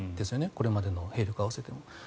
これまでの兵力を合わせても。